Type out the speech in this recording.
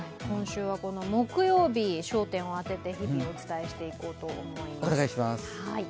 今週は木曜日、焦点を当てて日々お伝えしていこうと思います。